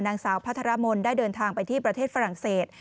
นางสาวพัทรมนต์ได้เดินทางไปที่ประเทศฝรั่งเศส